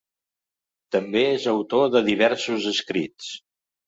També és autor de diversos escrits.